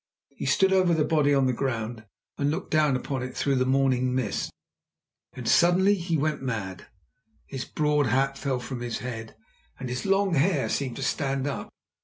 He stood over the body on the ground, and looked down upon it through the morning mists. Then suddenly he went mad. His broad hat fell from his head, and his long hair seemed to stand up.